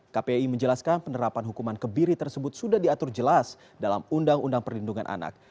kpi menjelaskan penerapan hukuman kebiri tersebut sudah diatur jelas dalam undang undang perlindungan anak